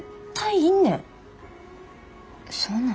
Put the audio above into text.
そうなん？